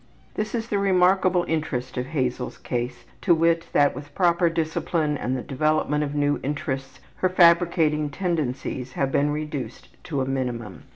This is the remarkable interest of Hazel's case, to wit, that with proper discipline and the development of new interests her fabricating tendencies have been reduced to a minimum.